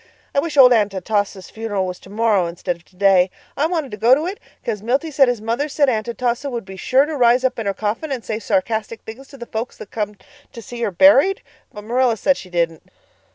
I wish old Aunt Atossa's funeral was tomorrow instead of today. I wanted to go to it 'cause Milty said his mother said Aunt Atossa would be sure to rise up in her coffin and say sarcastic things to the folks that come to see her buried. But Marilla said she didn't."